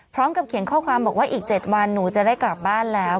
พร้อมกับเขียนข้อความบอกว่าอีก๗วันหนูจะได้กลับบ้านแล้ว